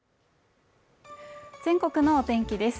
全国のお天気です